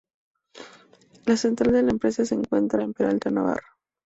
La central de la empresa se encuentra en Peralta, Navarra.